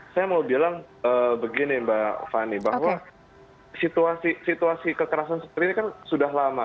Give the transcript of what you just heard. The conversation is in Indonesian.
saya mau bilang begini mbak fani bahwa situasi kekerasan seperti ini kan sudah lama